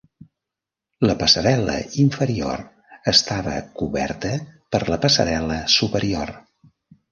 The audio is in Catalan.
La passarel·la inferior estava coberta per la passarel·la superior.